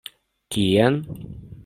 Kien?